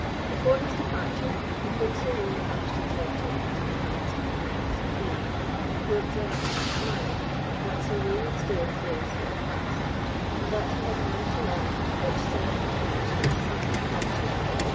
Before his departure, he put Sir William Ashton's letter into the hands of the Marquis of A——, who observed with a smile, that Sir William's day of grace was past, and that he had now to learn which side of the hedge the sun had got to.